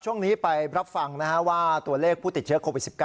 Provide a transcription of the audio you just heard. ช่วงนี้ไปรับฟังว่าตัวเลขผู้ติดเชื้อโควิด๑๙